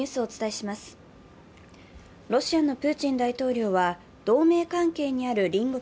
ロシアのプーチン大統領は同盟関係にある隣国